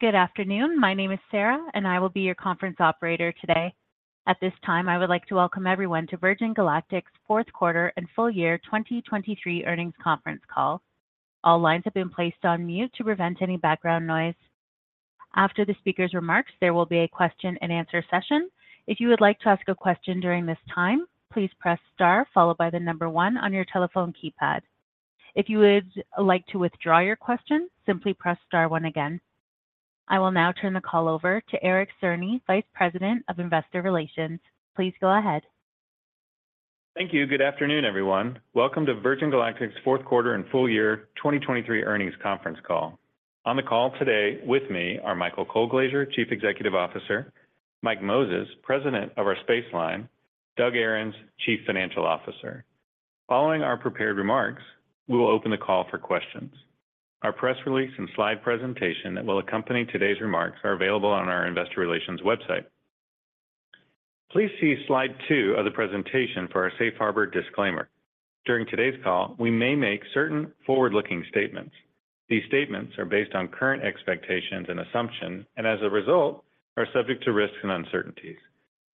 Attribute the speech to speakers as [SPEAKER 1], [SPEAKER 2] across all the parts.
[SPEAKER 1] Good afternoon. My name is Sarah, and I will be your conference operator today. At this time, I would like to welcome everyone to Virgin Galactic's fourth quarter and full year 2023 earnings conference call. All lines have been placed on mute to prevent any background noise. After the speaker's remarks, there will be a question-and-answer session. If you would like to ask a question during this time, please press star followed by the number one on your telephone keypad. If you would like to withdraw your question, simply press star one again. I will now turn the call over to Eric Cerny, Vice President of Investor Relations. Please go ahead.
[SPEAKER 2] Thank you. Good afternoon, everyone. Welcome to Virgin Galactic's fourth quarter and full year 2023 earnings conference call. On the call today with me are Michael Colglazier, Chief Executive Officer, Mike Moses, President of our Spaceline, Doug Ahrens, Chief Financial Officer. Following our prepared remarks, we will open the call for questions. Our press release and slide presentation that will accompany today's remarks are available on our Investor Relations website. Please see slide two of the presentation for our Safe Harbor disclaimer. During today's call, we may make certain forward-looking statements. These statements are based on current expectations and assumptions, and as a result, are subject to risks and uncertainties.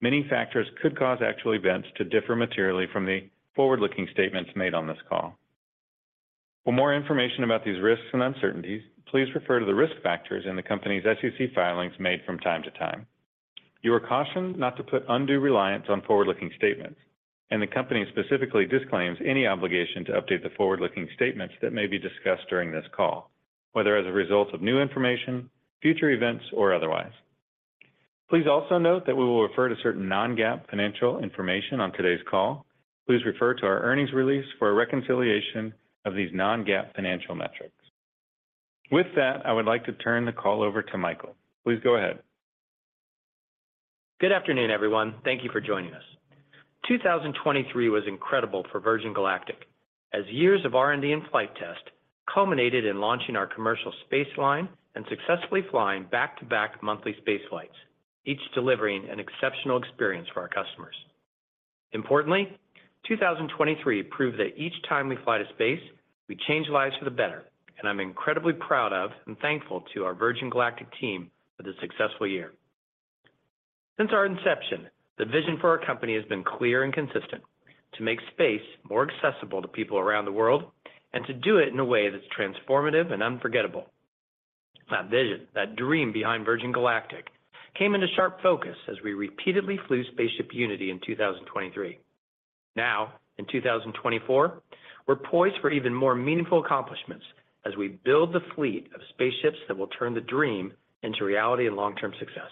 [SPEAKER 2] Many factors could cause actual events to differ materially from the forward-looking statements made on this call. For more information about these risks and uncertainties, please refer to the risk factors in the company's SEC filings made from time to time. You are cautioned not to put undue reliance on forward-looking statements, and the company specifically disclaims any obligation to update the forward-looking statements that may be discussed during this call, whether as a result of new information, future events, or otherwise. Please also note that we will refer to certain non-GAAP financial information on today's call. Please refer to our earnings release for a reconciliation of these non-GAAP financial metrics. With that, I would like to turn the call over to Michael. Please go ahead.
[SPEAKER 3] Good afternoon, everyone. Thank you for joining us. 2023 was incredible for Virgin Galactic, as years of R&D and flight test culminated in launching our commercial spaceline and successfully flying back-to-back monthly space flights, each delivering an exceptional experience for our customers. Importantly, 2023 proved that each time we fly to space, we change lives for the better, and I'm incredibly proud of and thankful to our Virgin Galactic team for this successful year. Since our inception, the vision for our company has been clear and consistent: to make space more accessible to people around the world, and to do it in a way that's transformative and unforgettable. That vision, that dream behind Virgin Galactic, came into sharp focus as we repeatedly flew spaceship Unity in 2023. Now, in 2024, we're poised for even more meaningful accomplishments as we build the fleet of spaceships that will turn the dream into reality and long-term success.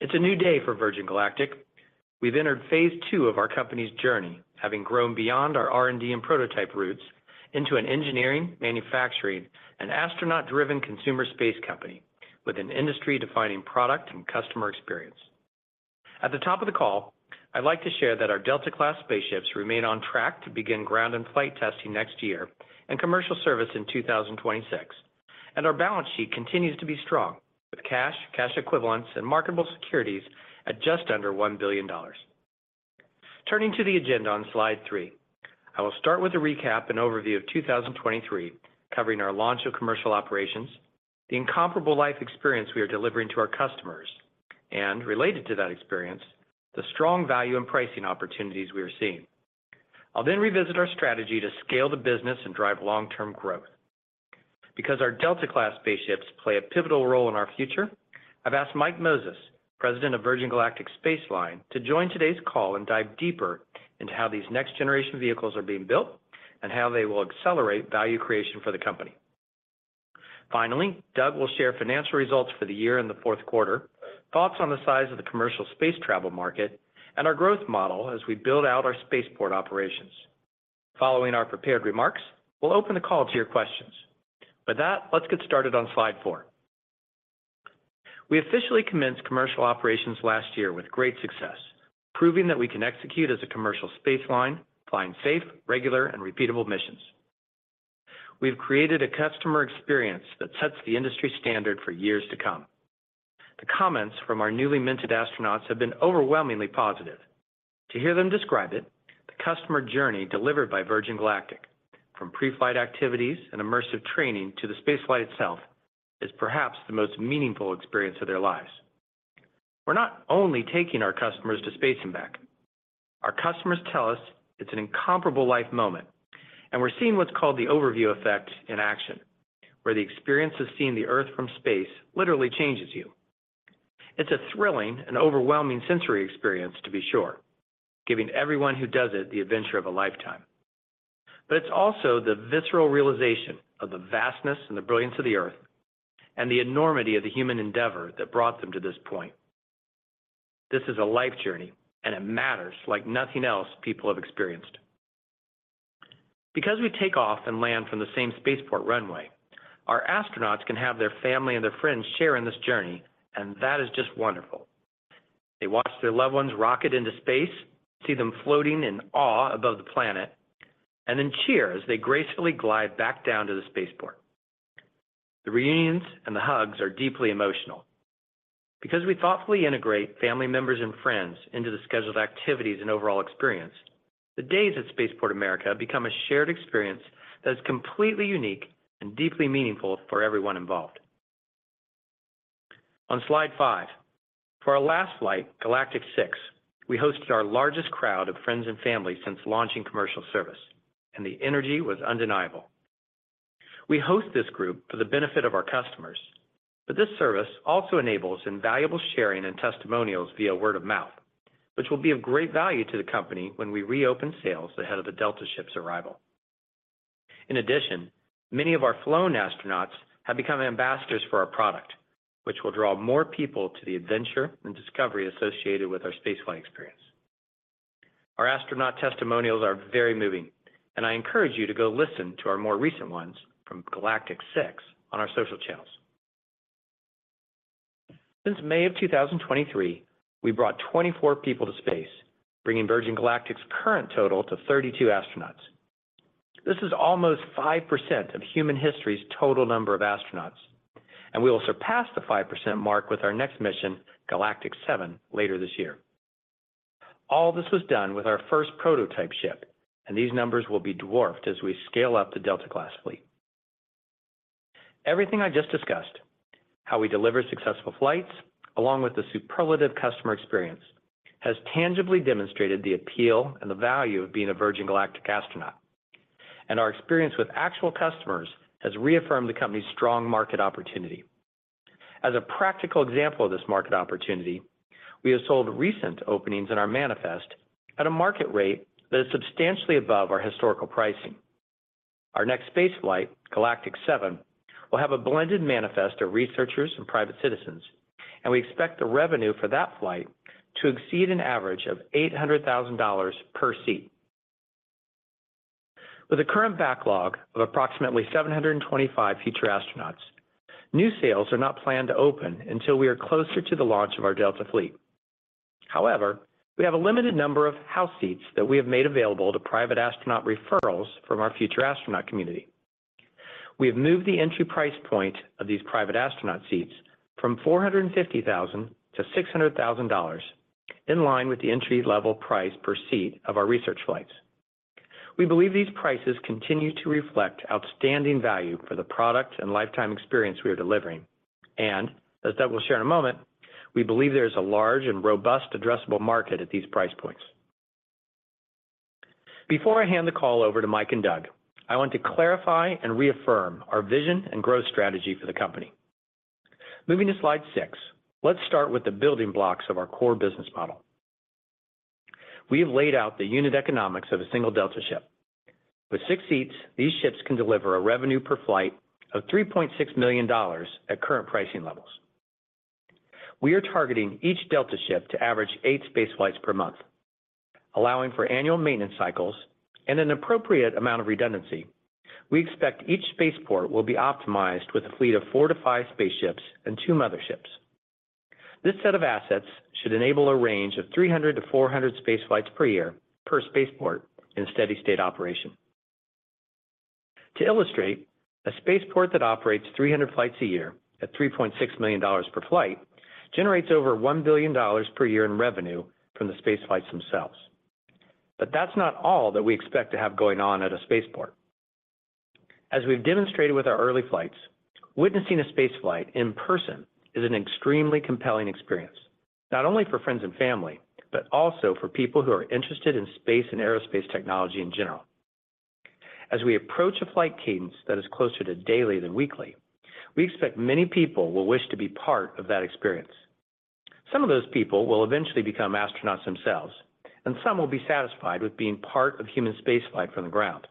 [SPEAKER 3] It's a new day for Virgin Galactic. We've entered phase II of our company's journey, having grown beyond our R&D and prototype roots into an engineering, manufacturing, and astronaut-driven consumer space company with an industry-defining product and customer experience. At the top of the call, I'd like to share that our Delta-class spaceships remain on track to begin ground and flight testing next year and commercial service in 2026, and our balance sheet continues to be strong, with cash, cash equivalents, and marketable securities at just under $1 billion. Turning to the agenda on slide three, I will start with a recap and overview of 2023, covering our launch of commercial operations, the incomparable life experience we are delivering to our customers, and, related to that experience, the strong value and pricing opportunities we are seeing. I'll then revisit our strategy to scale the business and drive long-term growth. Because our Delta-class spaceships play a pivotal role in our future, I've asked Mike Moses, President of Virgin Galactic Spaceline, to join today's call and dive deeper into how these next-generation vehicles are being built and how they will accelerate value creation for the company. Finally, Doug will share financial results for the year and the fourth quarter, thoughts on the size of the commercial space travel market, and our growth model as we build out our spaceport operations. Following our prepared remarks, we'll open the call to your questions. With that, let's get started on slide four. We officially commenced commercial operations last year with great success, proving that we can execute as a commercial spaceline, flying safe, regular, and repeatable missions. We've created a customer experience that sets the industry standard for years to come. The comments from our newly minted astronauts have been overwhelmingly positive. To hear them describe it, the customer journey delivered by Virgin Galactic, from pre-flight activities and immersive training to the spaceflight itself, is perhaps the most meaningful experience of their lives. We're not only taking our customers to space and back. Our customers tell us it's an incomparable life moment, and we're seeing what's called the Overview effect in action, where the experience of seeing the Earth from space literally changes you. It's a thrilling and overwhelming sensory experience, to be sure, giving everyone who does it the adventure of a lifetime. But it's also the visceral realization of the vastness and the brilliance of the Earth and the enormity of the human endeavor that brought them to this point. This is a life journey, and it matters like nothing else people have experienced. Because we take off and land from the same spaceport runway, our astronauts can have their family and their friends share in this journey, and that is just wonderful. They watch their loved ones rocket into space, see them floating in awe above the planet, and then cheer as they gracefully glide back down to the spaceport. The reunions and the hugs are deeply emotional. Because we thoughtfully integrate family members and friends into the scheduled activities and overall experience, the days at Spaceport America become a shared experience that is completely unique and deeply meaningful for everyone involved. On slide five, for our last flight, Galactic 06, we hosted our largest crowd of friends and family since launching commercial service, and the energy was undeniable. We host this group for the benefit of our customers, but this service also enables invaluable sharing and testimonials via word of mouth, which will be of great value to the company when we reopen sales ahead of the Delta ship's arrival. In addition, many of our flown astronauts have become ambassadors for our product, which will draw more people to the adventure and discovery associated with our spaceflight experience. Our astronaut testimonials are very moving, and I encourage you to go listen to our more recent ones from Galactic 06 on our social channels. Since May of 2023, we brought 24 people to space, bringing Virgin Galactic's current total to 32 astronauts. This is almost 5% of human history's total number of astronauts, and we will surpass the 5% mark with our next mission, Galactic 07, later this year. All this was done with our first prototype ship, and these numbers will be dwarfed as we scale up the Delta-class fleet. Everything I just discussed, how we deliver successful flights along with the superlative customer experience, has tangibly demonstrated the appeal and the value of being a Virgin Galactic astronaut, and our experience with actual customers has reaffirmed the company's strong market opportunity. As a practical example of this market opportunity, we have sold recent openings in our manifest at a market rate that is substantially above our historical pricing. Our next spaceflight, Galactic 07, will have a blended manifest of researchers and private citizens, and we expect the revenue for that flight to exceed an average of $800,000 per seat. With the current backlog of approximately 725 Future Astronauts, new sales are not planned to open until we are closer to the launch of our Delta fleet. However, we have a limited number of house seats that we have made available to private astronaut referrals from our future astronaut community. We have moved the entry price point of these private astronaut seats from $450,000 to $600,000, in line with the entry-level price per seat of our research flights. We believe these prices continue to reflect outstanding value for the product and lifetime experience we are delivering, and, as Doug will share in a moment, we believe there is a large and robust addressable market at these price points. Before I hand the call over to Mike and Doug, I want to clarify and reaffirm our vision and growth strategy for the company. Moving to slide six, let's start with the building blocks of our core business model. We have laid out the unit economics of a single Delta ship. With six seats, these ships can deliver a revenue per flight of $3.6 million at current pricing levels. We are targeting each Delta ship to average eight spaceflights per month. Allowing for annual maintenance cycles and an appropriate amount of redundancy, we expect each spaceport will be optimized with a fleet of four -five spaceships and two motherships. This set of assets should enable a range of 300-400 spaceflights per year, per spaceport, in steady-state operation. To illustrate, a spaceport that operates 300 flights a year at $3.6 million per flight generates over $1 billion per year in revenue from the spaceflights themselves. But that's not all that we expect to have going on at a spaceport. As we've demonstrated with our early flights, witnessing a spaceflight in person is an extremely compelling experience, not only for friends and family, but also for people who are interested in space and aerospace technology in general. As we approach a flight cadence that is closer to daily than weekly, we expect many people will wish to be part of that experience. Some of those people will eventually become astronauts themselves, and some will be satisfied with being part of human spaceflight from the ground.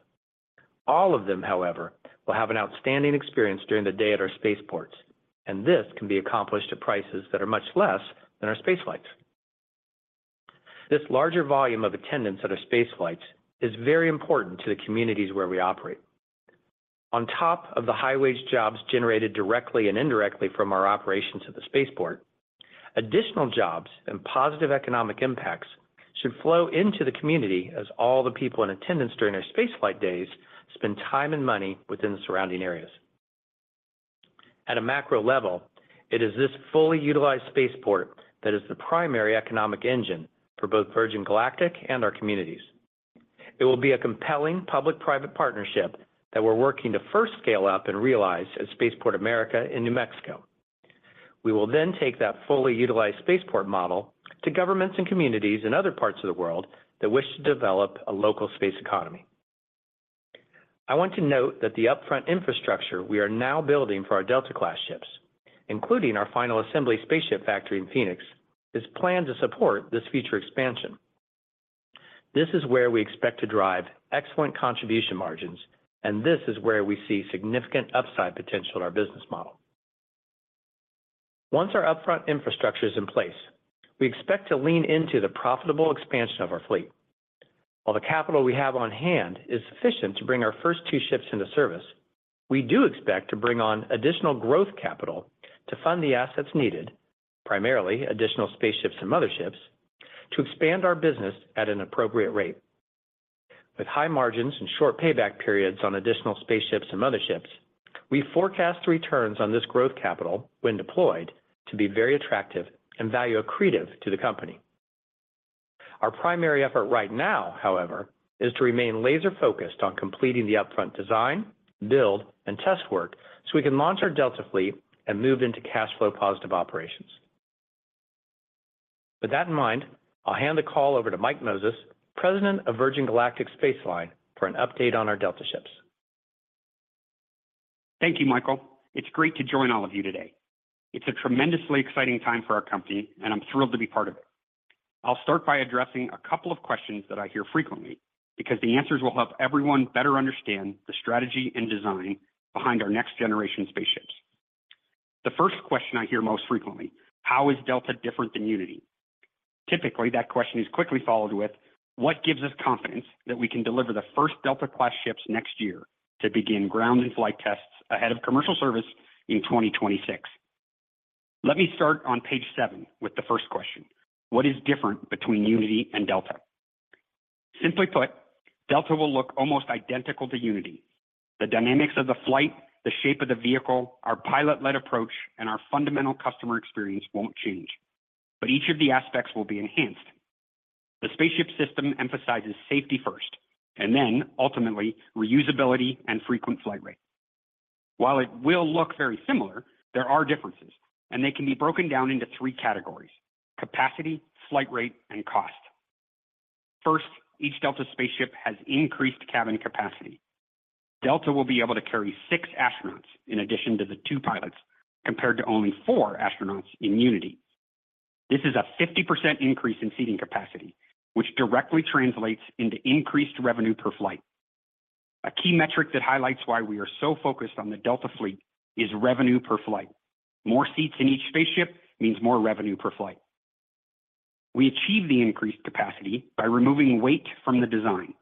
[SPEAKER 3] All of them, however, will have an outstanding experience during the day at our spaceports, and this can be accomplished at prices that are much less than our spaceflights. This larger volume of attendance at our spaceflights is very important to the communities where we operate. On top of the high-wage jobs generated directly and indirectly from our operations at the spaceport, additional jobs and positive economic impacts should flow into the community as all the people in attendance during our spaceflight days spend time and money within the surrounding areas. At a macro level, it is this fully utilized spaceport that is the primary economic engine for both Virgin Galactic and our communities. It will be a compelling public-private partnership that we're working to first scale up and realize at Spaceport America in New Mexico. We will then take that fully utilized spaceport model to governments and communities in other parts of the world that wish to develop a local space economy. I want to note that the upfront infrastructure we are now building for our Delta-class ships, including our final assembly spaceship factory in Phoenix, is planned to support this future expansion. This is where we expect to drive excellent contribution margins, and this is where we see significant upside potential in our business model. Once our upfront infrastructure is in place, we expect to lean into the profitable expansion of our fleet. While the capital we have on hand is sufficient to bring our first two ships into service, we do expect to bring on additional growth capital to fund the assets needed, primarily additional spaceships and mother ships, to expand our business at an appropriate rate. With high margins and short payback periods on additional spaceships and mother ships, we forecast returns on this growth capital, when deployed, to be very attractive and value accretive to the company. Our primary effort right now, however, is to remain laser-focused on completing the upfront design, build, and test work so we can launch our Delta fleet and move into cash flow positive operations. With that in mind, I'll hand the call over to Mike Moses, President of Virgin Galactic Spaceline, for an update on our Delta ships.
[SPEAKER 4] Thank you, Michael. It's great to join all of you today. It's a tremendously exciting time for our company, and I'm thrilled to be part of it. I'll start by addressing a couple of questions that I hear frequently because the answers will help everyone better understand the strategy and design behind our next-generation spaceships. The first question I hear most frequently: How is Delta different than Unity? Typically, that question is quickly followed with, "What gives us confidence that we can deliver the first Delta-class ships next year to begin ground and flight tests ahead of commercial service in 2026?" Let me start on page 7 with the first question: What is different between Unity and Delta? Simply put, Delta will look almost identical to Unity. The dynamics of the flight, the shape of the vehicle, our pilot-led approach, and our fundamental customer experience won't change, but each of the aspects will be enhanced. The spaceship system emphasizes safety first, and then, ultimately, reusability and frequent flight rate. While it will look very similar, there are differences, and they can be broken down into three categories: capacity, flight rate, and cost. First, each Delta spaceship has increased cabin capacity. Delta will be able to carry six astronauts in addition to the two pilots, compared to only four astronauts in Unity. This is a 50% increase in seating capacity, which directly translates into increased revenue per flight. A key metric that highlights why we are so focused on the Delta fleet is revenue per flight. More seats in each spaceship means more revenue per flight. We achieve the increased capacity by removing weight from the design.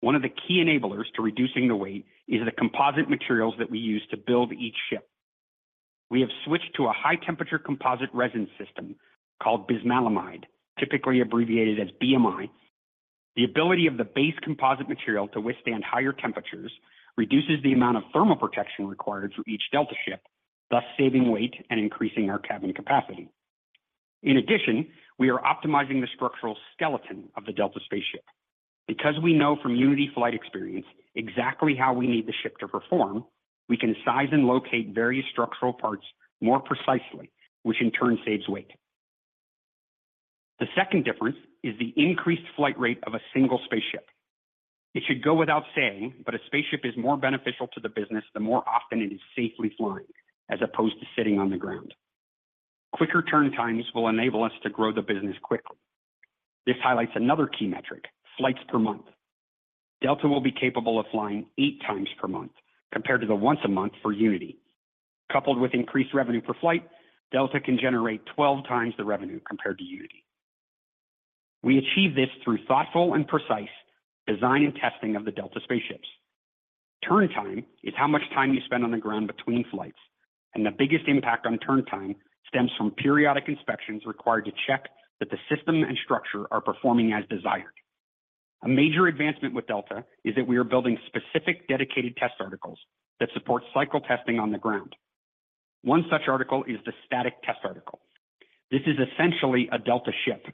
[SPEAKER 4] One of the key enablers to reducing the weight is the composite materials that we use to build each ship. We have switched to a high-temperature composite resin system called bismaleimide, typically abbreviated as BMI. The ability of the base composite material to withstand higher temperatures reduces the amount of thermal protection required for each Delta ship, thus saving weight and increasing our cabin capacity. In addition, we are optimizing the structural skeleton of the Delta spaceship. Because we know from Unity flight experience exactly how we need the ship to perform, we can size and locate various structural parts more precisely, which in turn saves weight. The second difference is the increased flight rate of a single spaceship. It should go without saying, but a spaceship is more beneficial to the business the more often it is safely flying as opposed to sitting on the ground. Quicker turn times will enable us to grow the business quickly. This highlights another key metric: flights per month. Delta will be capable of flying 8x per month compared to the once a month for Unity. Coupled with increased revenue per flight, Delta can generate 12x the revenue compared to Unity. We achieve this through thoughtful and precise design and testing of the Delta spaceships. Turn time is how much time you spend on the ground between flights, and the biggest impact on turn time stems from periodic inspections required to check that the system and structure are performing as desired. A major advancement with Delta is that we are building specific dedicated test articles that support cycle testing on the ground. One such article is the static test article. This is essentially a Delta ship.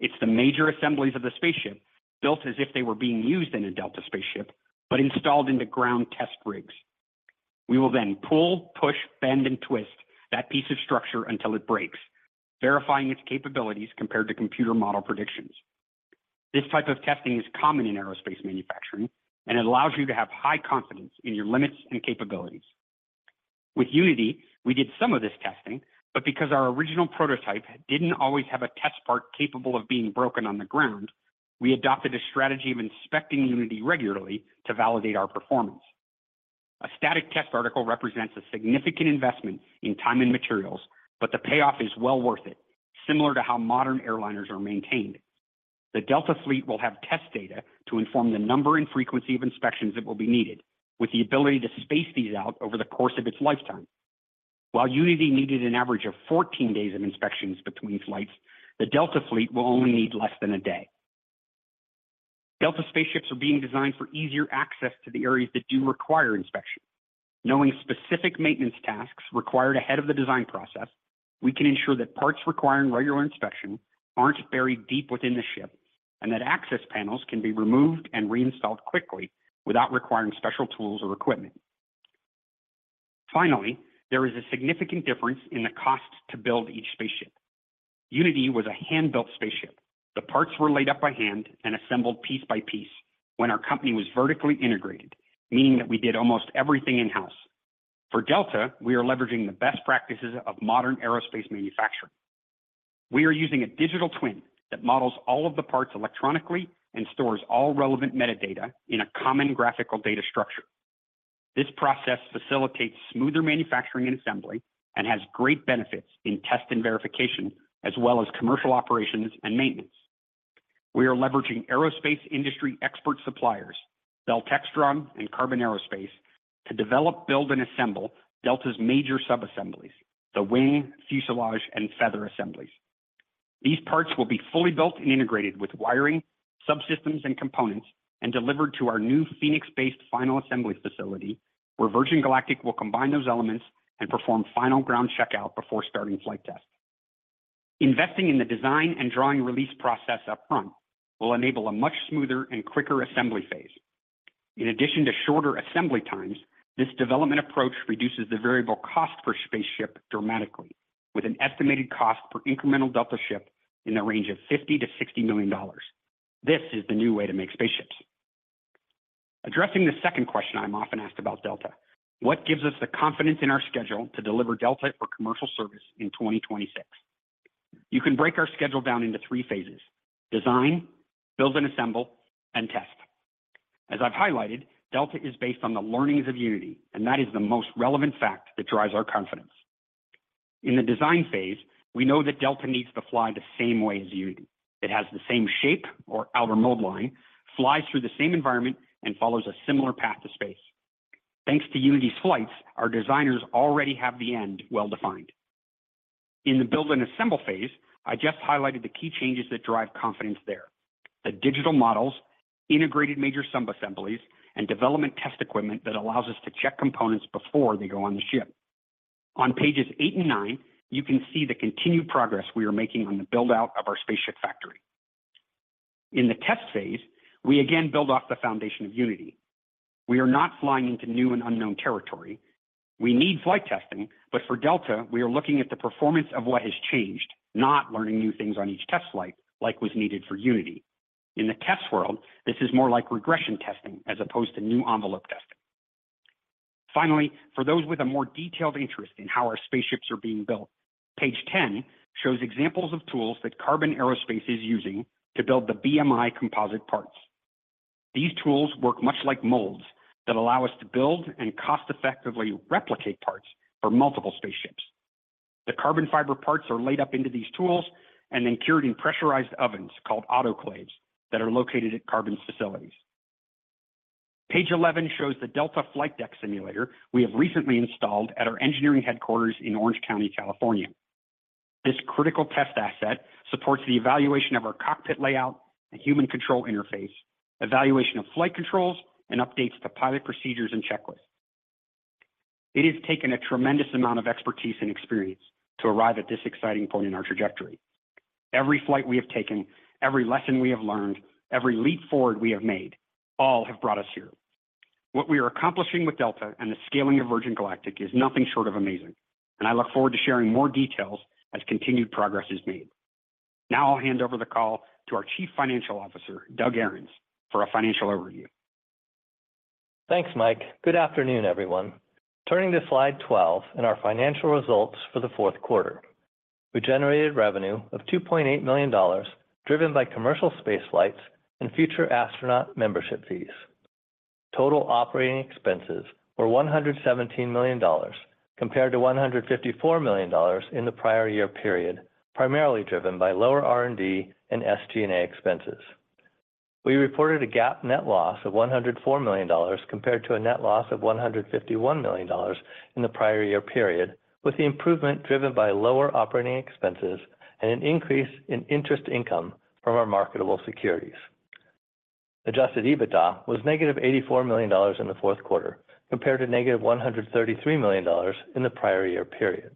[SPEAKER 4] It's the major assemblies of the spaceship built as if they were being used in a Delta spaceship, but installed into ground test rigs. We will then pull, push, bend, and twist that piece of structure until it breaks, verifying its capabilities compared to computer model predictions. This type of testing is common in aerospace manufacturing, and it allows you to have high confidence in your limits and capabilities. With Unity, we did some of this testing, but because our original prototype didn't always have a test part capable of being broken on the ground, we adopted a strategy of inspecting Unity regularly to validate our performance. A static test article represents a significant investment in time and materials, but the payoff is well worth it, similar to how modern airliners are maintained. The Delta fleet will have test data to inform the number and frequency of inspections that will be needed, with the ability to space these out over the course of its lifetime. While Unity needed an average of 14 days of inspections between flights, the Delta fleet will only need less than a day. Delta spaceships are being designed for easier access to the areas that do require inspection. Knowing specific maintenance tasks required ahead of the design process, we can ensure that parts requiring regular inspection aren't buried deep within the ship and that access panels can be removed and reinstalled quickly without requiring special tools or equipment. Finally, there is a significant difference in the cost to build each spaceship. Unity was a hand-built spaceship. The parts were laid up by hand and assembled piece by piece when our company was vertically integrated, meaning that we did almost everything in-house. For Delta, we are leveraging the best practices of modern aerospace manufacturing. We are using a digital twin that models all of the parts electronically and stores all relevant metadata in a common graphical data structure. This process facilitates smoother manufacturing and assembly and has great benefits in test and verification, as well as commercial operations and maintenance. We are leveraging aerospace industry expert suppliers, Bell Textron and Qarbon Aerospace, to develop, build, and assemble Delta's major sub-assemblies: the wing, fuselage, and feather assemblies. These parts will be fully built and integrated with wiring, subsystems, and components, and delivered to our new Phoenix-based final assembly facility, where Virgin Galactic will combine those elements and perform final ground checkout before starting flight tests. Investing in the design and drawing release process upfront will enable a much smoother and quicker assembly phase. In addition to shorter assembly times, this development approach reduces the variable cost per spaceship dramatically, with an estimated cost per incremental Delta ship in the range of $50 million-$60 million. This is the new way to make spaceships. Addressing the second question I'm often asked about: Delta, what gives us the confidence in our schedule to deliver Delta for commercial service in 2026? You can break our schedule down into three phases: design, build and assemble, and test. As I've highlighted, Delta is based on the learnings of Unity, and that is the most relevant fact that drives our confidence. In the design phase, we know that Delta needs to fly the same way as Unity. It has the same shape or outer mold line, flies through the same environment, and follows a similar path to space. Thanks to Unity's flights, our designers already have the end well defined. In the build and assemble phase, I just highlighted the key changes that drive confidence there: the digital models, integrated major sub-assemblies, and development test equipment that allows us to check components before they go on the ship. On pages eight and nine, you can see the continued progress we are making on the build-out of our spaceship factory. In the test phase, we again build off the foundation of Unity. We are not flying into new and unknown territory. We need flight testing, but for Delta, we are looking at the performance of what has changed, not learning new things on each test flight like was needed for Unity. In the test world, this is more like regression testing as opposed to new envelope testing. Finally, for those with a more detailed interest in how our spaceships are being built, page 10 shows examples of tools that Qarbon Aerospace is using to build the BMI composite parts. These tools work much like molds that allow us to build and cost-effectively replicate parts for multiple spaceships. The carbon fiber parts are laid up into these tools and then cured in pressurized ovens called autoclaves that are located at Qarbon's facilities. Page 11 shows the Delta Flight Deck Simulator we have recently installed at our engineering headquarters in Orange County, California. This critical test asset supports the evaluation of our cockpit layout and human control interface, evaluation of flight controls, and updates to pilot procedures and checklists. It has taken a tremendous amount of expertise and experience to arrive at this exciting point in our trajectory. Every flight we have taken, every lesson we have learned, every leap forward we have made, all have brought us here. What we are accomplishing with Delta and the scaling of Virgin Galactic is nothing short of amazing, and I look forward to sharing more details as continued progress is made. Now I'll hand over the call to our Chief Financial Officer, Doug Ahrens, for a financial overview.
[SPEAKER 5] Thanks, Mike. Good afternoon, everyone. Turning to slide 12 and our financial results for the fourth quarter. We generated revenue of $2.8 million driven by commercial space flights and future astronaut membership fees. Total operating expenses were $117 million compared to $154 million in the prior year period, primarily driven by lower R&D and SG&A expenses. We reported a GAAP net loss of $104 million compared to a net loss of $151 million in the prior year period, with the improvement driven by lower operating expenses and an increase in interest income from our marketable securities. Adjusted EBITDA was -$84 million in the fourth quarter compared to -$133 million in the prior year period.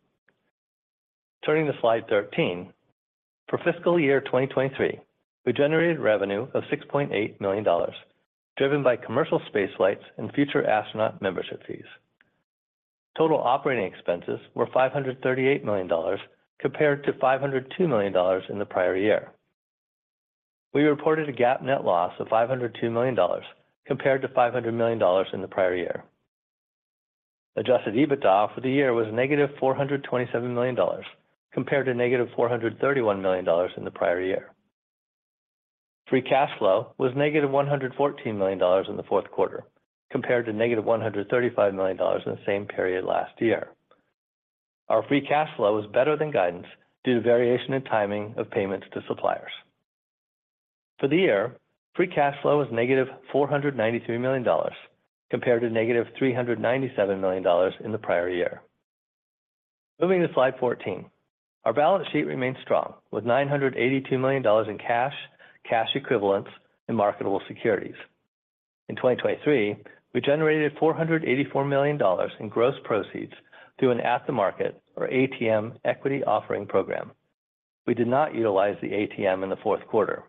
[SPEAKER 5] Turning to slide 13. For fiscal year 2023, we generated revenue of $6.8 million driven by commercial space flights and future astronaut membership fees. Total operating expenses were $538 million compared to $502 million in the prior year. We reported a GAAP net loss of $502 million compared to $500 million in the prior year. Adjusted EBITDA for the year was -$427 million compared to -$431 million in the prior year. Free cash flow was -$114 million in the fourth quarter compared to -$135 million in the same period last year. Our free cash flow was better than guidance due to variation in timing of payments to suppliers. For the year, free cash flow was -$493 million compared to -$397 million in the prior year. Moving to slide 14. Our balance sheet remained strong, with $982 million in cash, cash equivalents, and marketable securities. In 2023, we generated $484 million in gross proceeds through an at-the-market or ATM equity offering program. We did not utilize the ATM in the fourth quarter.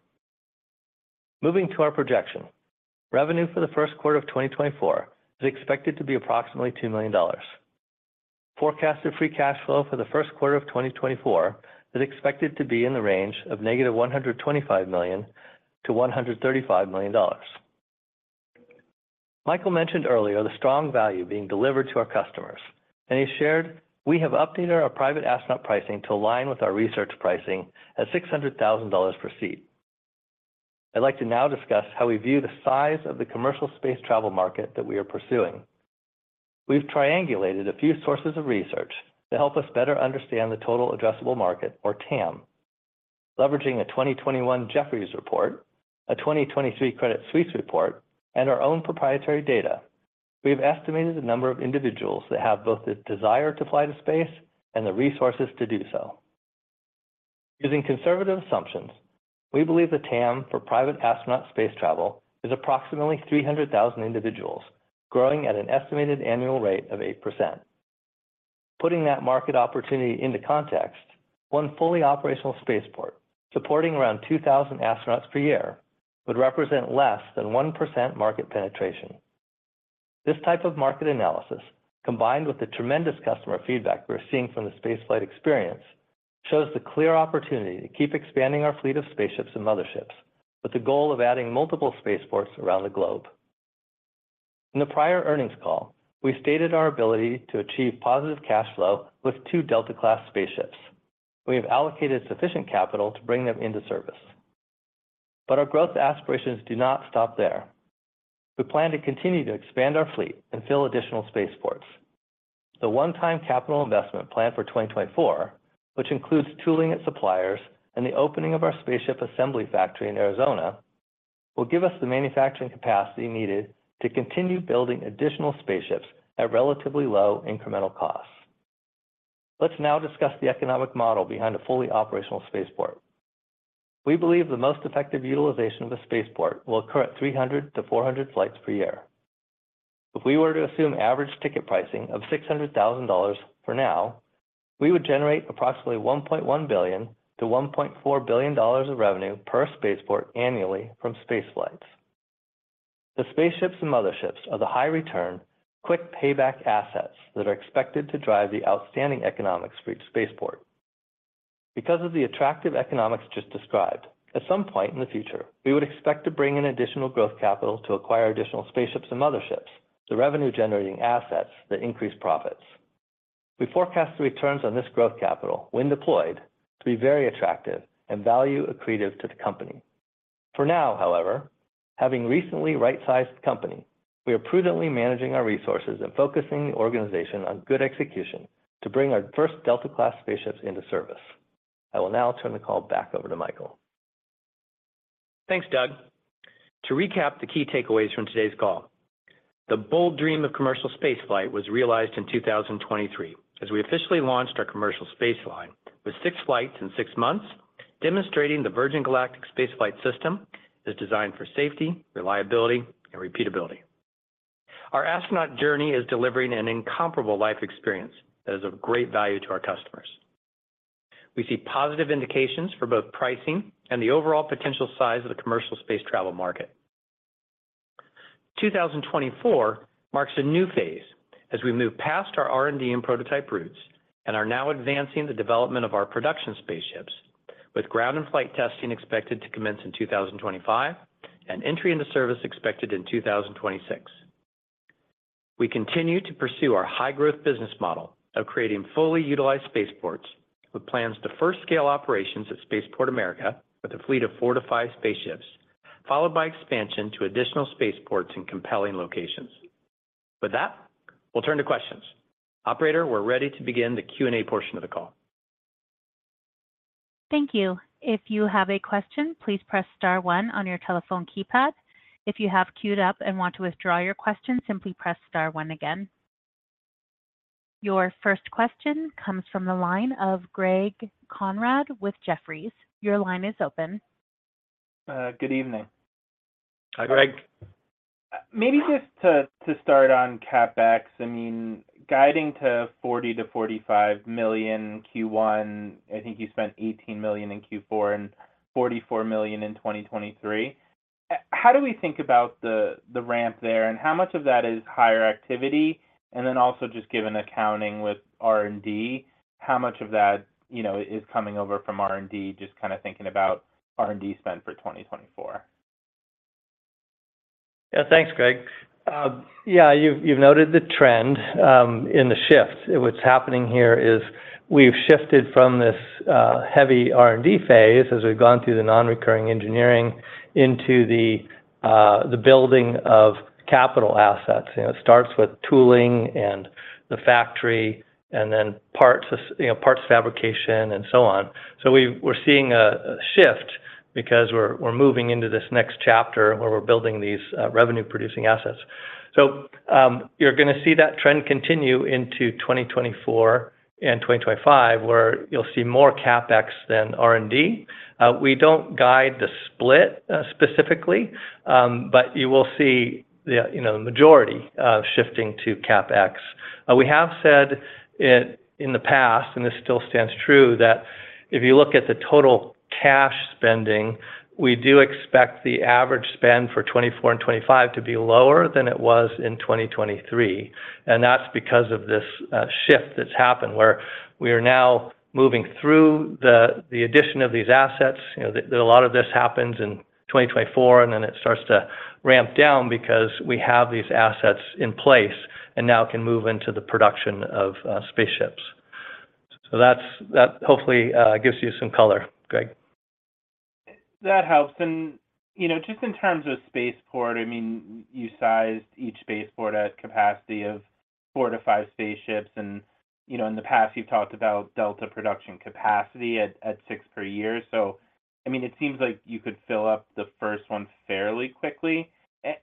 [SPEAKER 5] Moving to our projection. Revenue for the first quarter of 2024 is expected to be approximately $2 million. Forecasted free cash flow for the first quarter of 2024 is expected to be in the range of -$125 million to -$135 million. Michael mentioned earlier the strong value being delivered to our customers, and he shared, "We have updated our private astronaut pricing to align with our research pricing at $600,000 per seat." I'd like to now discuss how we view the size of the commercial space travel market that we are pursuing. We've triangulated a few sources of research to help us better understand the total addressable market, or TAM. Leveraging a 2021 Jefferies report, a 2023 Credit Suisse report, and our own proprietary data, we've estimated the number of individuals that have both the desire to fly to space and the resources to do so. Using conservative assumptions, we believe the TAM for private astronaut space travel is approximately 300,000 individuals, growing at an estimated annual rate of 8%. Putting that market opportunity into context, one fully operational spaceport supporting around 2,000 astronauts per year would represent less than 1% market penetration. This type of market analysis, combined with the tremendous customer feedback we're seeing from the spaceflight experience, shows the clear opportunity to keep expanding our fleet of spaceships and motherships with the goal of adding multiple spaceports around the globe. In the prior earnings call, we stated our ability to achieve positive cash flow with two Delta-class spaceships. We have allocated sufficient capital to bring them into service. Our growth aspirations do not stop there. We plan to continue to expand our fleet and fill additional spaceports. The one-time capital investment plan for 2024, which includes tooling at suppliers and the opening of our spaceship assembly factory in Arizona, will give us the manufacturing capacity needed to continue building additional spaceships at relatively low incremental costs. Let's now discuss the economic model behind a fully operational spaceport. We believe the most effective utilization of a spaceport will occur at 300-400 flights per year. If we were to assume average ticket pricing of $600,000 for now, we would generate approximately $1.1 billion-$1.4 billion of revenue per spaceport annually from spaceflights. The spaceships and motherships are the high-return, quick-payback assets that are expected to drive the outstanding economics for each spaceport. Because of the attractive economics just described, at some point in the future, we would expect to bring in additional growth capital to acquire additional spaceships and motherships, the revenue-generating assets that increase profits. We forecast the returns on this growth capital, when deployed, to be very attractive and value-accretive to the company. For now, however, having recently right-sized the company, we are prudently managing our resources and focusing the organization on good execution to bring our first Delta-class spaceships into service. I will now turn the call back over to Michael.
[SPEAKER 3] Thanks, Doug. To recap the key takeaways from today's call. The bold dream of commercial spaceflight was realized in 2023 as we officially launched our commercial space line with six flights in six months, demonstrating the Virgin Galactic Spaceflight System is designed for safety, reliability, and repeatability. Our astronaut journey is delivering an incomparable life experience that is of great value to our customers. We see positive indications for both pricing and the overall potential size of the commercial space travel market. 2024 marks a new phase as we move past our R&D and prototype routes and are now advancing the development of our production spaceships, with ground and flight testing expected to commence in 2025 and entry into service expected in 2026. We continue to pursue our high-growth business model of creating fully utilized spaceports, with plans to first scale operations at Spaceport America with a fleet of four-five spaceships, followed by expansion to additional spaceports in compelling locations. With that, we'll turn to questions. Operator, we're ready to begin the Q&A portion of the call.
[SPEAKER 1] Thank you. If you have a question, please press star one on your telephone keypad. If you have queued up and want to withdraw your question, simply press star one again. Your first question comes from the line of Greg Konrad with Jefferies. Your line is open.
[SPEAKER 6] Good evening.
[SPEAKER 3] Hi, Greg.
[SPEAKER 6] Maybe just to start on CapEx. I mean, guiding to $40 million-$45 million Q1, I think you spent $18 million in Q4 and $44 million in 2023. How do we think about the ramp there, and how much of that is higher activity? And then also just given accounting with R&D, how much of that is coming over from R&D, just kind of thinking about R&D spend for 2024?
[SPEAKER 3] Yeah, thanks, Greg. Yeah, you've noted the trend in the shift. What's happening here is we've shifted from this heavy R&D phase as we've gone through the non-recurring engineering into the building of capital assets. It starts with tooling and the factory and then parts fabrication and so on. So we're seeing a shift because we're moving into this next chapter where we're building these revenue-producing assets. So you're going to see that trend continue into 2024 and 2025, where you'll see more CapEx than R&D. We don't guide the split specifically, but you will see the majority shifting to CapEx. We have said in the past, and this still stands true, that if you look at the total cash spending, we do expect the average spend for 2024 and 2025 to be lower than it was in 2023. That's because of this shift that's happened, where we are now moving through the addition of these assets. A lot of this happens in 2024, and then it starts to ramp down because we have these assets in place and now can move into the production of spaceships. So that hopefully gives you some color, Greg.
[SPEAKER 6] That helps. And just in terms of spaceport, I mean, you sized each spaceport at capacity of four-five spaceships. And in the past, you've talked about Delta production capacity at six per year. So I mean, it seems like you could fill up the first one fairly quickly.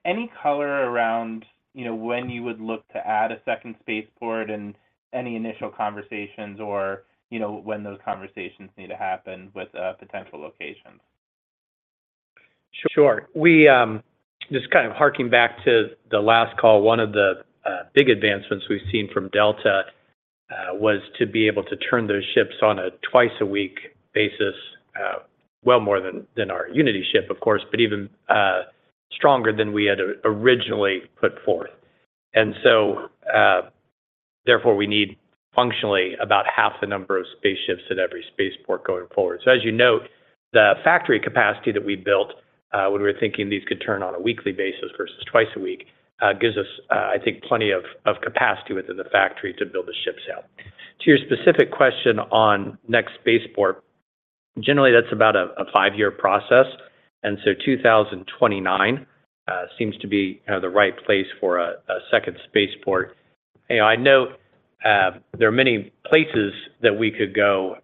[SPEAKER 6] Any color around when you would look to add a second spaceport and any initial conversations or when those conversations need to happen with potential locations?
[SPEAKER 3] Sure. Sure. Just kind of harking back to the last call, one of the big advancements we've seen from Delta was to be able to turn those ships on a twice-a-week basis, well more than our Unity ship, of course, but even stronger than we had originally put forth. And so therefore, we need functionally about 1/2 the number of spaceships at every spaceport going forward. So as you note, the factory capacity that we built when we were thinking these could turn on a weekly basis versus twice a week gives us, I think, plenty of capacity within the factory to build the ships out. To your specific question on next spaceport, generally, that's about a five-year process. And so 2029 seems to be the right place for a second spaceport. I note there are many places that we could go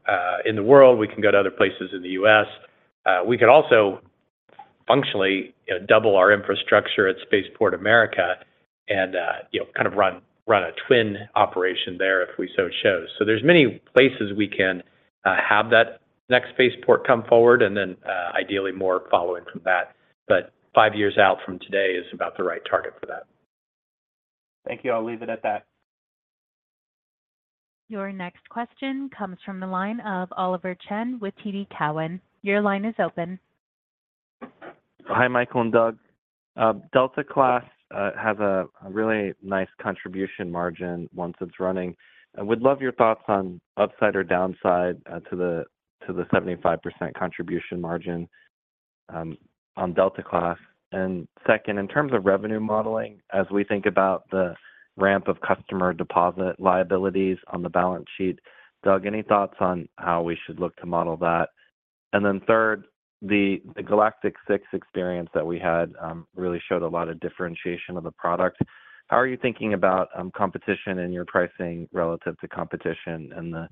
[SPEAKER 3] in the world. We can go to other places in the U.S. We could also functionally double our infrastructure at Spaceport America and kind of run a twin operation there if we so chose. So there's many places we can have that next spaceport come forward and then ideally more following from that. But five years out from today is about the right target for that.
[SPEAKER 6] Thank you. I'll leave it at that.
[SPEAKER 1] Your next question comes from the line of Oliver Chen with TD Cowen. Your line is open.
[SPEAKER 7] Hi, Michael and Doug. Delta Class has a really nice contribution margin once it's running. I would love your thoughts on upside or downside to the 75% contribution margin on Delta Class. And second, in terms of revenue modeling, as we think about the ramp of customer deposit liabilities on the balance sheet, Doug, any thoughts on how we should look to model that? And then third, the Galactic 06 experience that we had really showed a lot of differentiation of the product. How are you thinking about competition in your pricing relative to competition and the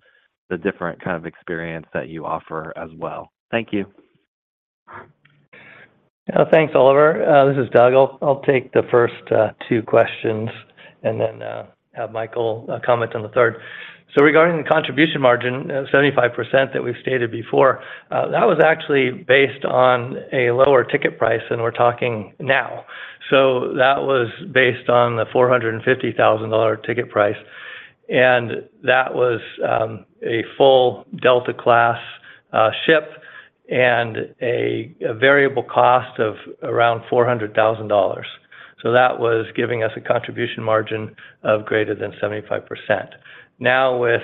[SPEAKER 7] different kind of experience that you offer as well? Thank you.
[SPEAKER 5] Yeah, thanks, Oliver. This is Doug. I'll take the first two questions and then have Michael comment on the third. So regarding the contribution margin, 75% that we've stated before, that was actually based on a lower ticket price, and we're talking now. So that was based on the $450,000 ticket price. And that was a full Delta Class ship and a variable cost of around $400,000. So that was giving us a contribution margin of greater than 75%. Now, with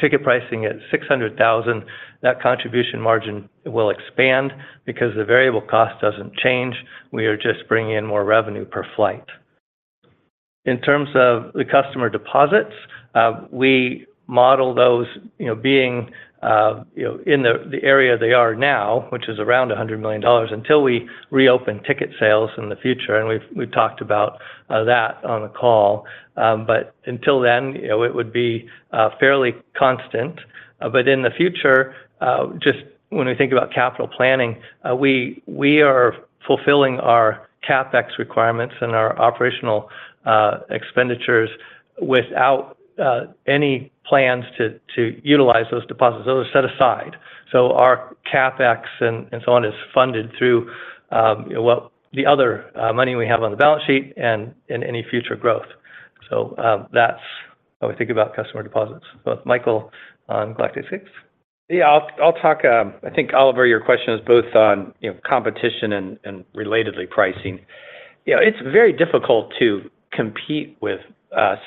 [SPEAKER 5] ticket pricing at $600,000, that contribution margin will expand because the variable cost doesn't change. We are just bringing in more revenue per flight. In terms of the customer deposits, we model those being in the area they are now, which is around $100 million, until we reopen ticket sales in the future. And we've talked about that on the call. But until then, it would be fairly constant. In the future, just when we think about capital planning, we are fulfilling our CapEx requirements and our operational expenditures without any plans to utilize those deposits. Those are set aside. Our CapEx and so on is funded through the other money we have on the balance sheet and any future growth. That's how we think about customer deposits. Michael on Galactic 06.
[SPEAKER 3] Yeah, I'll talk. I think, Oliver, your question is both on competition and relatedly pricing. It's very difficult to compete with us.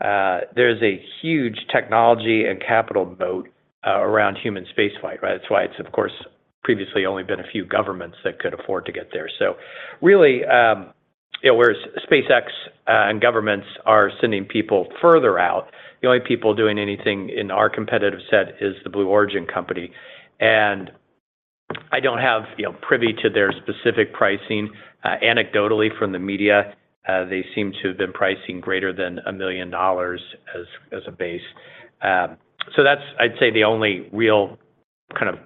[SPEAKER 3] There's a huge technology and capital moat around human spaceflight, right? That's why it's, of course, previously only been a few governments that could afford to get there. So really, whereas SpaceX and governments are sending people further out, the only people doing anything in our competitive set is Blue Origin. And I don't have privy to their specific pricing. Anecdotally, from the media, they seem to have been pricing greater than $1 million as a base. So that's, I'd say, the only real kind of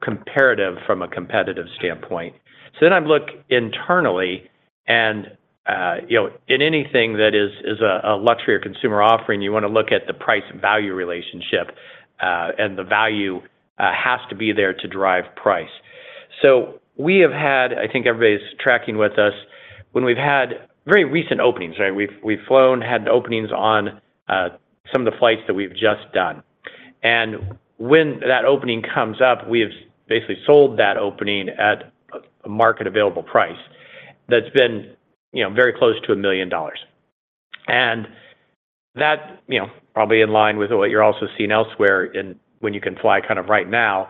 [SPEAKER 3] comparative from a competitive standpoint. So then I look internally. And in anything that is a luxury or consumer offering, you want to look at the price-value relationship. And the value has to be there to drive price. So we have had, I think everybody's tracking with us, when we've had very recent openings, right? We've flown, had openings on some of the flights that we've just done. And when that opening comes up, we have basically sold that opening at a market-available price that's been very close to $1 million. And that, probably in line with what you're also seeing elsewhere when you can fly kind of right now,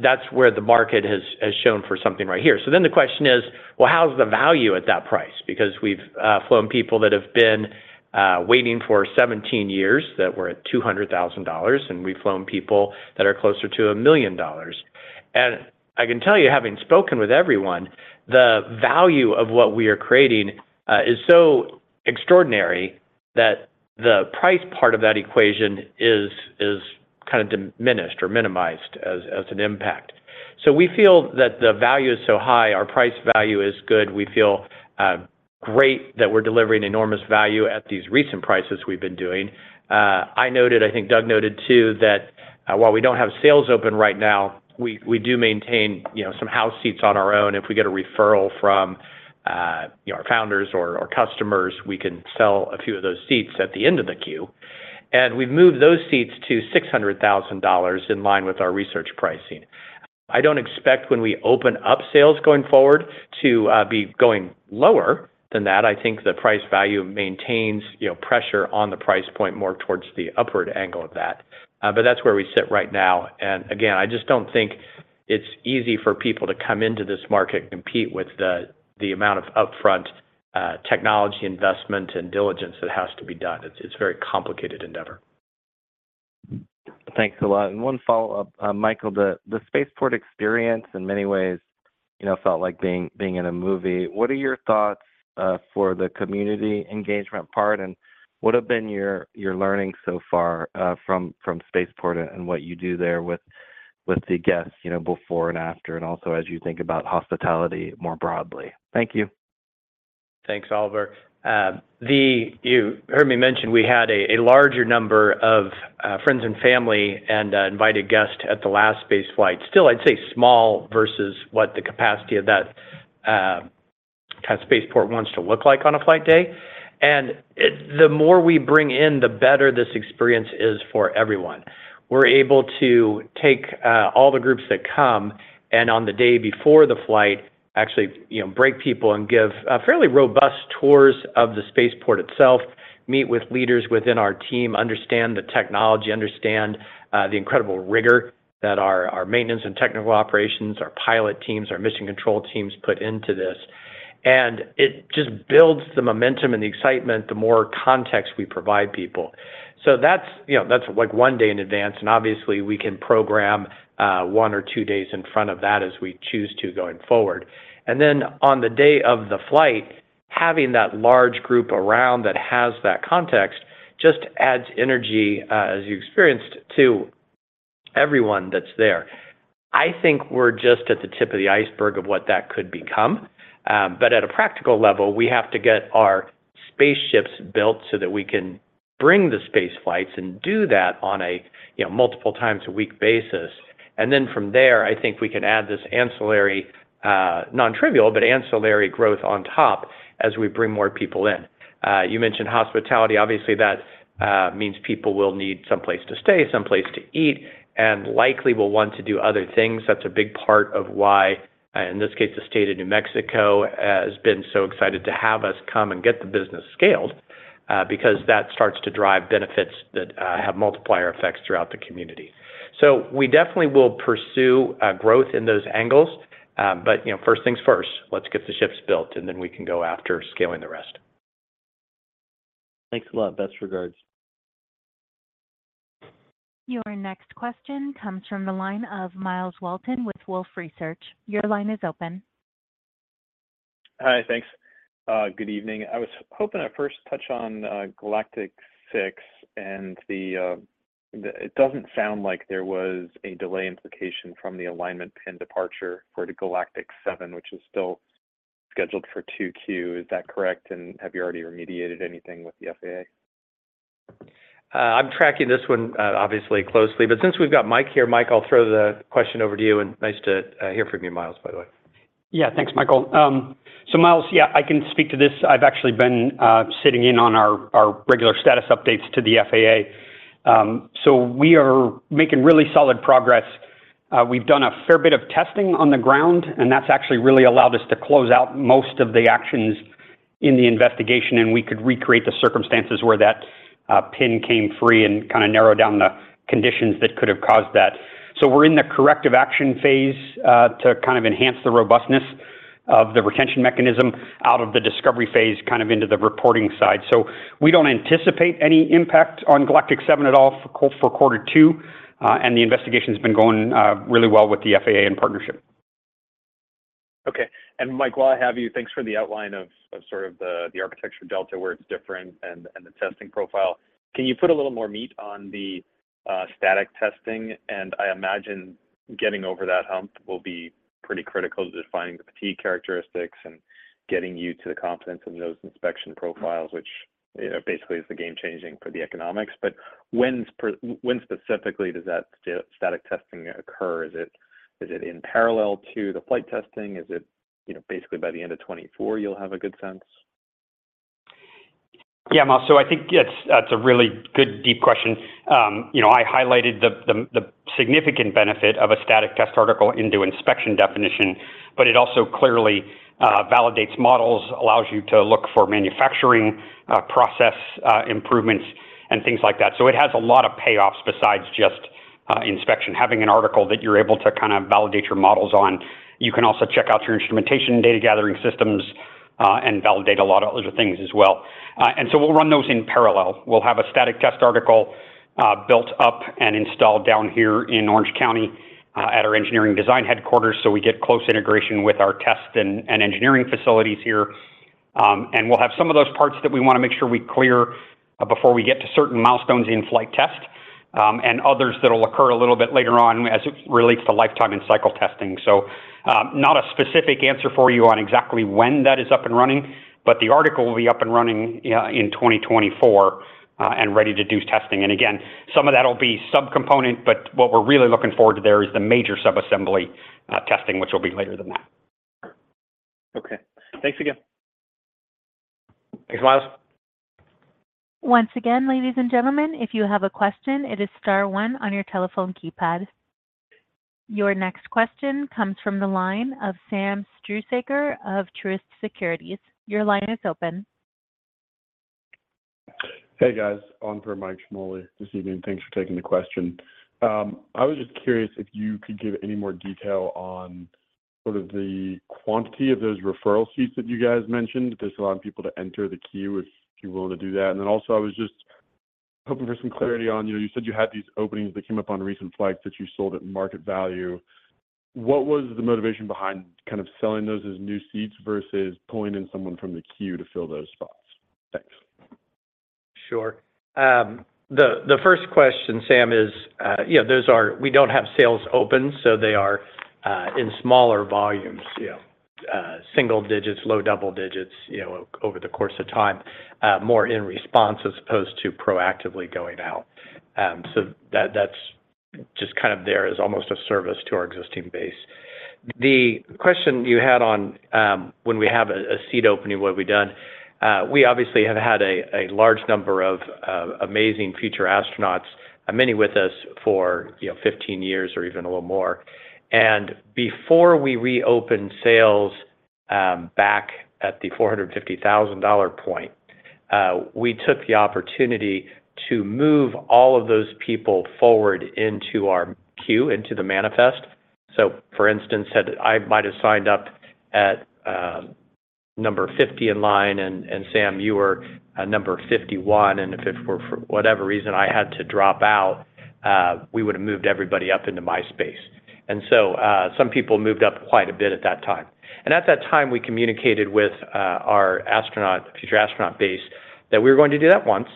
[SPEAKER 3] that's where the market has shown for something right here. So then the question is, well, how's the value at that price? Because we've flown people that have been waiting for 17 years that were at $200,000, and we've flown people that are closer to $1 million. And I can tell you, having spoken with everyone, the value of what we are creating is so extraordinary that the price part of that equation is kind of diminished or minimized as an impact. So we feel that the value is so high. Our price value is good. We feel great that we're delivering enormous value at these recent prices we've been doing. I noted, I think Doug noted too, that while we don't have sales open right now, we do maintain some house seats on our own. If we get a referral from our founders or customers, we can sell a few of those seats at the end of the queue. And we've moved those seats to $600,000 in line with our research pricing. I don't expect when we open up sales going forward to be going lower than that. I think the price value maintains pressure on the price point more towards the upward angle of that. But that's where we sit right now. And again, I just don't think it's easy for people to come into this market, compete with the amount of upfront technology investment and diligence that has to be done. It's a very complicated endeavor.
[SPEAKER 7] Thanks a lot. And one follow-up, Michael. The spaceport experience, in many ways, felt like being in a movie. What are your thoughts for the community engagement part? And what have been your learnings so far from spaceport and what you do there with the guests before and after, and also as you think about hospitality more broadly? Thank you.
[SPEAKER 3] Thanks, Oliver. You heard me mention we had a larger number of friends and family and invited guests at the last spaceflight. Still, I'd say small versus what the capacity of that kind of spaceport wants to look like on a flight day. And the more we bring in, the better this experience is for everyone. We're able to take all the groups that come and on the day before the flight, actually break people and give fairly robust tours of the spaceport itself, meet with leaders within our team, understand the technology, understand the incredible rigor that our maintenance and technical operations, our pilot teams, our mission control teams put into this. And it just builds the momentum and the excitement the more context we provide people. So that's like one day in advance. And obviously, we can program one or two days in front of that as we choose to going forward. And then on the day of the flight, having that large group around that has that context just adds energy, as you experienced, to everyone that's there. I think we're just at the tip of the iceberg of what that could become. But at a practical level, we have to get our spaceships built so that we can bring the spaceflights and do that on a multiple times a week basis. And then from there, I think we can add this ancillary, non-trivial, but ancillary growth on top as we bring more people in. You mentioned hospitality. Obviously, that means people will need someplace to stay, someplace to eat, and likely will want to do other things. That's a big part of why, in this case, the state of New Mexico has been so excited to have us come and get the business scaled because that starts to drive benefits that have multiplier effects throughout the community. So we definitely will pursue growth in those angles. But first things first. Let's get the ships built, and then we can go after scaling the rest.
[SPEAKER 7] Thanks a lot. Best regards.
[SPEAKER 1] Your next question comes from the line of Myles Walton with Wolfe Research. Your line is open.
[SPEAKER 8] Hi, thanks. Good evening. I was hoping I first touched on Galactic 06. And it doesn't sound like there was a delay implication from the alignment pin departure for Galactic 07, which is still scheduled for 2Q. Is that correct? And have you already remediated anything with the FAA?
[SPEAKER 3] I'm tracking this one, obviously, closely. But since we've got Mike here, Mike, I'll throw the question over to you. And nice to hear from you, Myles, by the way.
[SPEAKER 4] Yeah, thanks, Michael. So Myles, yeah, I can speak to this. I've actually been sitting in on our regular status updates to the FAA. So we are making really solid progress. We've done a fair bit of testing on the ground, and that's actually really allowed us to close out most of the actions in the investigation. And we could recreate the circumstances where that pin came free and kind of narrow down the conditions that could have caused that. So we're in the corrective action phase to kind of enhance the robustness of the retention mechanism out of the discovery phase kind of into the reporting side. So we don't anticipate any impact on Galactic 07 at all for quarter two. And the investigation has been going really well with the FAA in partnership.
[SPEAKER 8] Okay. And Mike, while I have you, thanks for the outline of sort of the architecture delta where it's different and the testing profile. Can you put a little more meat on the static testing? And I imagine getting over that hump will be pretty critical to defining the fatigue characteristics and getting you to the confidence of those inspection profiles, which basically is the game-changing for the economics. But when specifically does that static testing occur? Is it in parallel to the flight testing? Is it basically by the end of 2024 you'll have a good sense?
[SPEAKER 4] Yeah, Myles. So I think that's a really good, deep question. I highlighted the significant benefit of a static test article into inspection definition, but it also clearly validates models, allows you to look for manufacturing process improvements, and things like that. So it has a lot of payoffs besides just inspection. Having an article that you're able to kind of validate your models on, you can also check out your instrumentation data gathering systems and validate a lot of other things as well. And so we'll run those in parallel. We'll have a static test article built up and installed down here in Orange County at our engineering design headquarters so we get close integration with our test and engineering facilities here. We'll have some of those parts that we want to make sure we clear before we get to certain milestones in flight test and others that will occur a little bit later on as it relates to lifetime and cycle testing. So not a specific answer for you on exactly when that is up and running, but the article will be up and running in 2024 and ready to do testing. And again, some of that will be subcomponent, but what we're really looking forward to there is the major subassembly testing, which will be later than that.
[SPEAKER 8] Okay. Thanks again.
[SPEAKER 3] Thanks, Myles.
[SPEAKER 1] Once again, ladies and gentlemen, if you have a question, it is star one on your telephone keypad. Your next question comes from the line of Sam Struhsaker of Truist Securities. Your line is open.
[SPEAKER 9] Hey, guys. On for Mike Ciarmoli. Good evening. Thanks for taking the question. I was just curious if you could give any more detail on sort of the quantity of those referral seats that you guys mentioned, if this allowed people to enter the queue if you're willing to do that. Then also, I was just hoping for some clarity on you said you had these openings that came up on recent flights that you sold at market value. What was the motivation behind kind of selling those as new seats versus pulling in someone from the queue to fill those spots? Thanks.
[SPEAKER 4] Sure. The first question, Sam, is those are we don't have sales open, so they are in smaller volumes, single digits, low double digits over the course of time, more in response as opposed to proactively going out. So that's just kind of there as almost a service to our existing base. The question you had on when we have a seat opening, what have we done? We obviously have had a large number of amazing future astronauts, many with us, for 15 years or even a little more. And before we reopened sales back at the $450,000 point, we took the opportunity to move all of those people forward into our queue, into the manifest. So, for instance, I might have signed up at number 50 in line, and Sam, you were number 51. If for whatever reason I had to drop out, we would have moved everybody up into my space. So some people moved up quite a bit at that time. At that time, we communicated with our future astronaut base that we were going to do that once.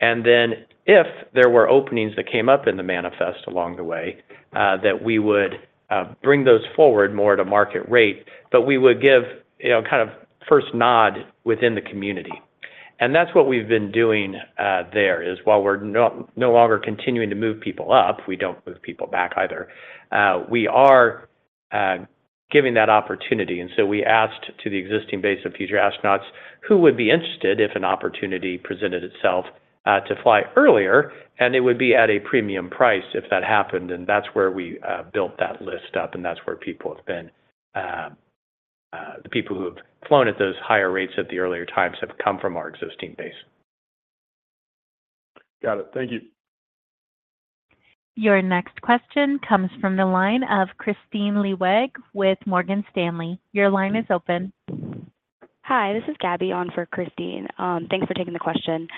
[SPEAKER 4] Then if there were openings that came up in the manifest along the way, that we would bring those forward more at a market rate, but we would give kind of first nod within the community. That's what we've been doing there, is while we're no longer continuing to move people up, we don't move people back either. We are giving that opportunity. So we asked the existing base of future astronauts who would be interested if an opportunity presented itself to fly earlier. It would be at a premium price if that happened. That's where we built that list up. That's where the people who have flown at those higher rates at the earlier times have come from our existing base.
[SPEAKER 9] Got it. Thank you.
[SPEAKER 1] Your next question comes from the line of Kristine Liwag with Morgan Stanley. Your line is open.
[SPEAKER 10] Hi, this is Gabby on for Kristine. Thanks for taking the question.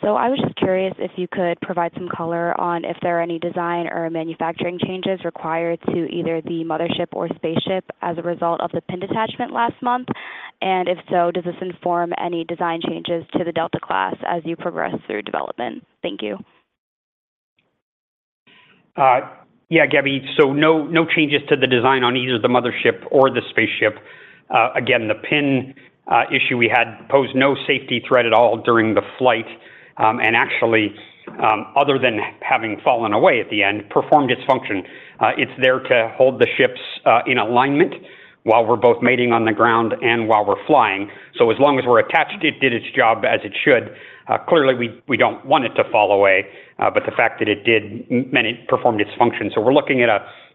[SPEAKER 10] So I was just curious if you could provide some color on if there are any design or manufacturing changes required to either the mothership or spaceship as a result of the pin detachment last month. And if so, does this inform any design changes to the Delta class as you progress through development? Thank you.
[SPEAKER 4] Yeah, Gabby. So no changes to the design on either the mothership or the spaceship. Again, the pin issue we had posed no safety threat at all during the flight. And actually, other than having fallen away at the end, performed its function. It's there to hold the ships in alignment while we're both mating on the ground and while we're flying. So as long as we're attached, it did its job as it should. Clearly, we don't want it to fall away. But the fact that it did, it performed its function. So we're looking at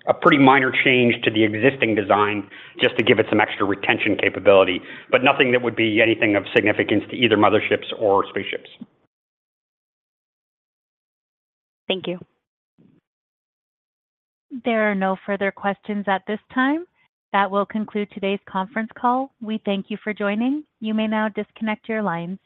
[SPEAKER 4] a pretty minor change to the existing design just to give it some extra retention capability, but nothing that would be anything of significance to either motherships or spaceships.
[SPEAKER 10] Thank you.
[SPEAKER 1] There are no further questions at this time. That will conclude today's conference call. We thank you for joining. You may now disconnect your lines.